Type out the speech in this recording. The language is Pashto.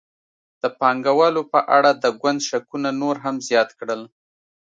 د پانګوالو په اړه د ګوند شکونه نور هم زیات کړل.